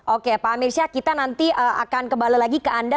oke pak amir syah kita nanti akan kembali lagi ke anda